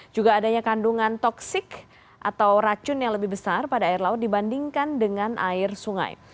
juga adanya kandungan toksik atau racun yang lebih besar pada air laut dibandingkan dengan air sungai